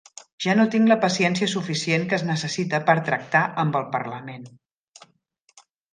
Ja no tinc la paciència suficient que es necessita per tractar amb el Parlament.